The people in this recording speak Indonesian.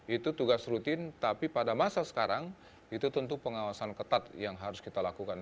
itu tugas rutin tapi pada masa sekarang itu tentu pengawasan ketat yang harus kita lakukan